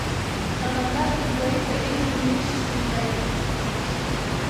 ارغنداب، پنجوائی، ژړی، نیش، میانشین.